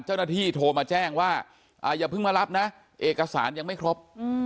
เจ้าหน้าที่โทรมาแจ้งว่าอย่าเพิ่งมารับนะเอกสารยังไม่ครบ